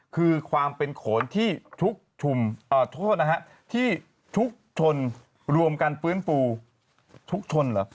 คือความเป็นขนที่ทุกชนรวมกันปื้นปูทุกชนเหรอ